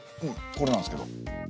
これなんすけど。